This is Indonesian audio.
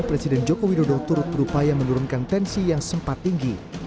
presiden joko widodo turut berupaya menurunkan tensi yang sempat tinggi